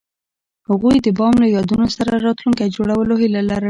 هغوی د بام له یادونو سره راتلونکی جوړولو هیله لرله.